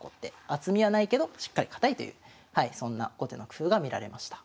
厚みはないけどしっかり堅いというそんな後手の工夫が見られました。